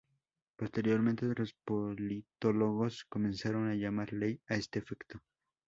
Posteriormente otros politólogos comenzaron a llamar "ley" a este efecto.